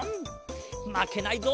まけないぞ。